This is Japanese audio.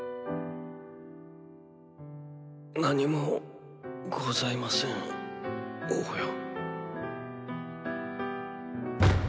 何もございません王よ。